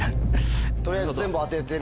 取りあえず。